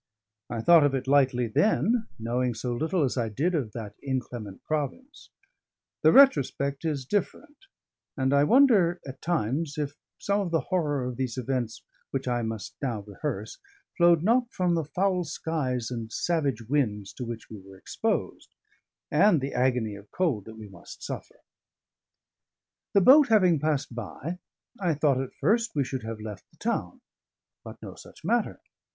I thought of it lightly then, knowing so little as I did of that inclement province: the retrospect is different; and I wonder at times if some of the horror of these events which I must now rehearse flowed not from the foul skies and savage winds to which we were exposed, and the agony of cold that we must suffer. The boat having passed by, I thought at first we should have left the town. But no such matter.